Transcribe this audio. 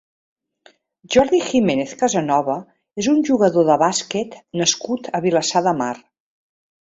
Jordi Jiménez Casanova és un jugador de bàsquet nascut a Vilassar de Mar.